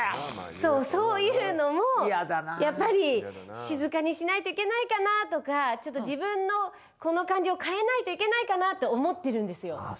そうそういうのもやっぱり静かにしないといけないかなとかちょっと自分のこの感じを変えないといけないかなと思ってるんですよああ